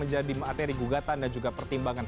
menjadi materi gugatan dan juga pertimbangan